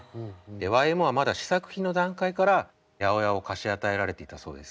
ＹＭＯはまだ試作品の段階から８０８を貸し与えられていたそうです。